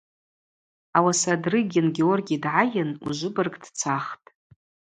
Ауаса Дрыгин Георгий дгӏайын ужвыбырг дцахтӏ.